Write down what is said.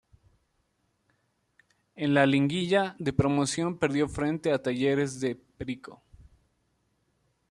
En la Liguilla de Promoción perdió frente a Talleres de Perico.